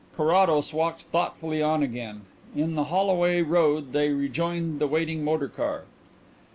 Carrados walked thoughtfully on again. In the Holloway Road they rejoined the waiting motor car.